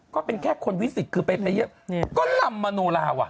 ก็เป็นแค่คนวิสิตคือไปเยอะก็ลำมโนลาว่ะ